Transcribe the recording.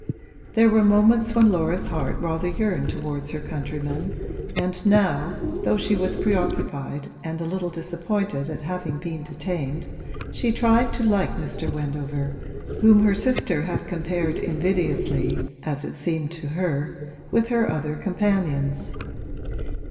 There were moments when Laura's heart rather yearned towards her countrymen, and now, though she was preoccupied and a little disappointed at having been detained, she tried to like Mr. Wendover, whom her sister had compared invidiously, as it seemed to her, with her other companions.